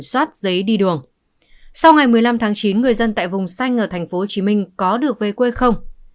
sau ngày một mươi năm tháng chín người dân tại vùng xanh ở tp hcm có được về quê không